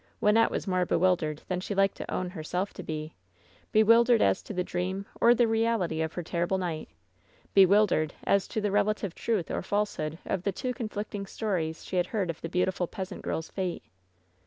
Wynnette was more bewildered than she liked to own herself to be — ^bewildered as to the dream, or the reality of her terrible night! Bewildered as to the relative truth or falsehood of the two conflicting stories she had heard of the beautiful peasant girPs fate.